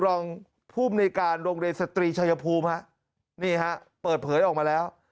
รองภูมิในการโรงเรียนสตรีชายภูมิฮะนี่ฮะเปิดเผยออกมาแล้ว